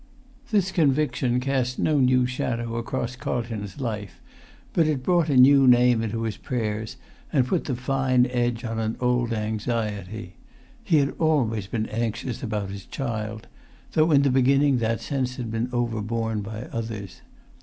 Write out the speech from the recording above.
This conviction cast no new shadow across Carlton's life, but it brought a new name into his prayers, and put the fine edge on an old anxiety. He had always been anxious about his child, though in the beginning that sense had been overborne by others.